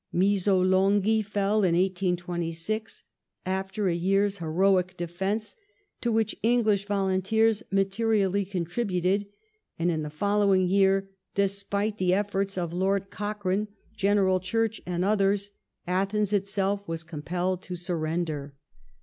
Missolonghi ^ fell in 1826, after a yeai''s heroic defence, to which English volunteers materially contributed, and in the following year, despite the efforts of Lord Cochrane, General Church, and othei*s, Athens itself was compelled to suirender.